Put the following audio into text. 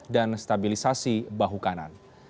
dan stabilisasi bahu kanan